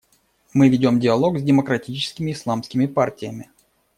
Мы ведем диалог с демократическими исламскими партиями.